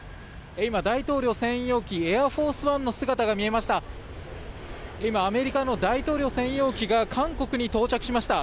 今、大統領専用機「エアフォースワン」の姿が見えました。